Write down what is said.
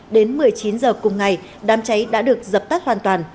đến một mươi chín h cùng ngày đám cháy đã được dập tắt hoàn toàn